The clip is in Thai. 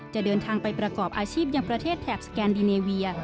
จะเดินทางไปประกอบอาชีพยังประเทศแถบสแกนดิเนเวีย